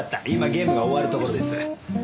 今ゲームが終わるところです。